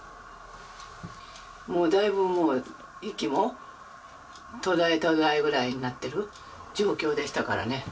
もうだいぶ息も途絶え途絶えぐらいになってる状況でしたからね。